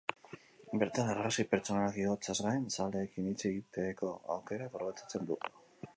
Bertan, argazki pertsonalak igotzeaz gain, zaleekin hitz egiteko aukera aprobetxatzen du.